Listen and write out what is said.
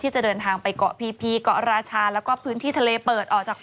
จะเดินทางไปเกาะพีเกาะราชาแล้วก็พื้นที่ทะเลเปิดออกจาก